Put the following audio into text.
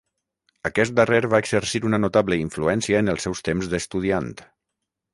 Aquest darrer va exercir una notable influència en els seus temps d'estudiant.